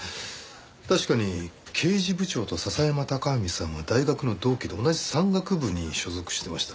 確かに刑事部長と笹山隆文さんは大学の同期で同じ山岳部に所属してました。